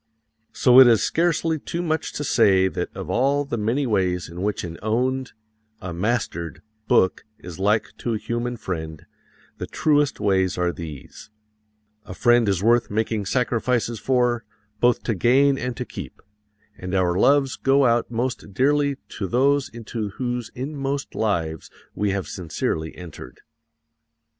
So it is scarcely too much to say that of all the many ways in which an owned a mastered book is like to a human friend, the truest ways are these: A friend is worth making sacrifices for, both to gain and to keep; and our loves go out most dearly to those into whose inmost lives we have sincerely entered.